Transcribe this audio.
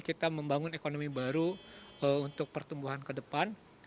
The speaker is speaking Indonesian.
kita membangun ekonomi baru untuk pertumbuhan ke depan